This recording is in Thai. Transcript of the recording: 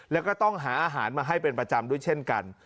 แล้วก็ต้องหาอาหารมาให้เป็นประจำด้วยเช่นกัน